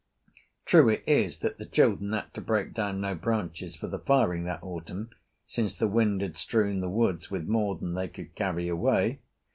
True it is that the children had to break down no branches for the firing that autumn, since the wind had strewn the woods with more than they could carry away.